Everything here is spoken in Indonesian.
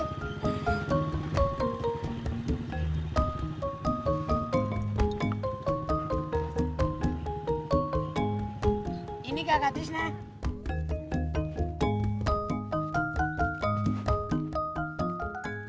lu kalian ada bantuan tunamu